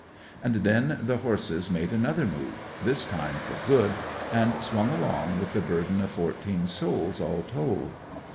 And then the horses made another move, this time for good, and swung along with their burden of fourteen souls all told.